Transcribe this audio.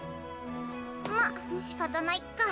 まっしかたないっか。